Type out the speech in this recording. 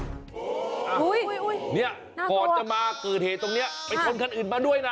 อุ้ยหน้าตัวนี่ก่อนจะมาเกือดเหตุตรงนี้ไปชนขั้นอื่นมาด้วยนะ